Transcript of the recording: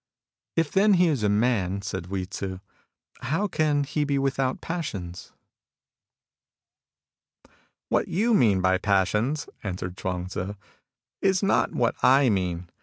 " If, then, he is a man," said Hui Tzu, " how can he be without passions ?"" What you mean by passions," answered Chuang Tzii, " is not what I mean.